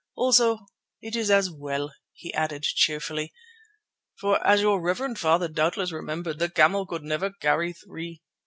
Also it is as well," he added cheerfully. "For, as your reverend father doubtless remembered, the camel could never carry three.